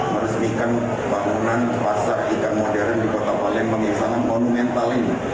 meresmikan bangunan pasar ikan modern di kota palembang yang sangat monumental ini